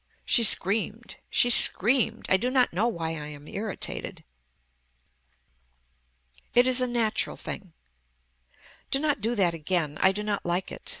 She screamed. She screamed. I do not know why I am irritated. IT IS A NATURAL THING Do not do that again. I do not like it.